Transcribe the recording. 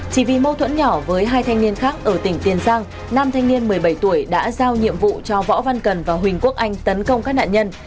chỉ vì mâu thuẫn nhỏ với hai thanh niên khác ở tỉnh tiền giang nam thanh niên một mươi bảy tuổi đã giao nhiệm vụ cho võ văn cần và huỳnh quốc anh tấn công các nạn nhân